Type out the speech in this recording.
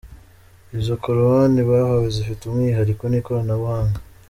Izo korowani bahawe zifite umwihariko n’ikoranabuhanga.